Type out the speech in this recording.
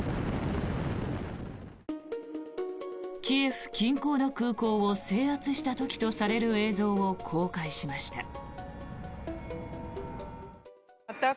キエフ近郊の空港を制圧した時とされる映像を公開しました。